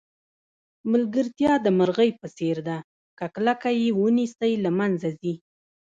ملګرتیا د مرغۍ په څېر ده که کلکه یې ونیسئ له منځه ځي.